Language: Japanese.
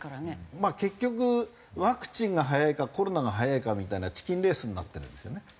まあ結局ワクチンが早いかコロナが早いかみたいなチキンレースになってるんですよね。